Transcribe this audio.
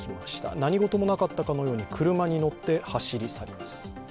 何事もなかったかのように、車に乗って走り去ります。